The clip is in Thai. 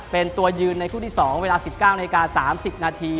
เป็นตัวยืนในคู่ที่๒เวลา๑๙น๓๐น